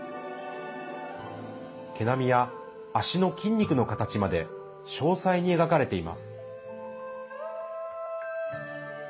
毛並みや足の筋肉の形まで詳細に描かれています。